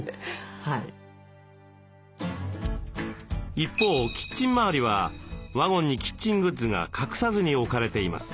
一方キッチン周りはワゴンにキッチングッズが隠さずに置かれています。